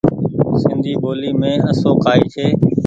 سندي ٻولي مين آسو ڪآئي ڇي۔